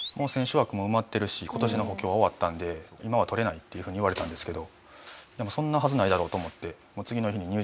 選手枠も埋まってるし今年の補強は終わったんで今はとれないっていうふうに言われたんですけどでもそんなはずないだろと思って。